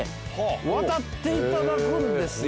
渡っていただくんですよ